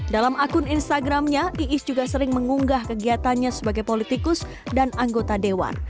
dalam akun instagramnya iis juga sering mengunggah kegiatannya sebagai politikus dan anggota dewan